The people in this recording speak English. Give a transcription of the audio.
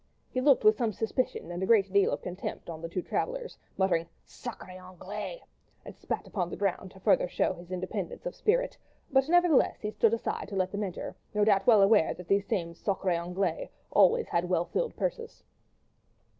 He looked with some suspicion and a great deal of contempt at the two travellers, muttered "Sacrrrés Anglais!" and spat upon the ground to further show his independence of spirit, but, nevertheless, he stood aside to let them enter, no doubt well aware that these same sacrrrés Anglais always had well filled purses.